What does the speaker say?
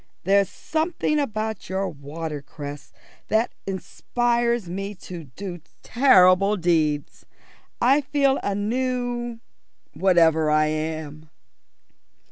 There's something about your watercress that inspires me to do terrible deeds. I feel a new whatever I am."